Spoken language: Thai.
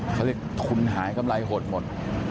เขาเรียกทุนหายกำไรหดหมด